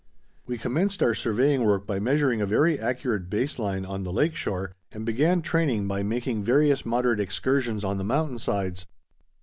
We commenced our surveying work by measuring a very accurate base line on the lake shore, and began training by making various moderate excursions on the mountain sides.